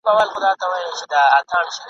زما د مورکۍ د الاهو ماته آشنا کلی دی !.